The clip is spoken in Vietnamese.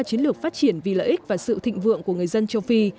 chiến lược phát triển vì lợi ích và sự thịnh vượng của người dân châu phi